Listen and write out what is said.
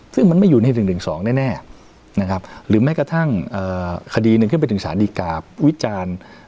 ซึ่งมันไม่อยู่ใน๑๑๒แน่นะครับหรือแม้กระทั่งคดีหนึ่งขึ้นไปถึงสารดีกาวิจารณ์